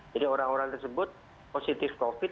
jadi orang orang tersebut positif covid sembilan belas